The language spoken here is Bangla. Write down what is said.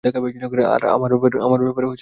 আমার ব্যাপারেও না।